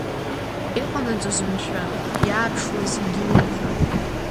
Иҟанаҵоз, мшәа, иааԥшуаз егьи убжа?